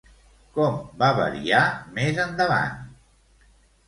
Com va variar més endavant?